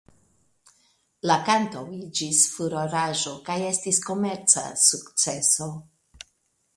La kanto iĝis furoraĵo kaj estis komerca sukceso.